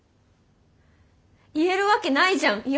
言えるわけないじゃん嫌とか。